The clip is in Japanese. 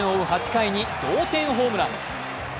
８回に同点ホームラン。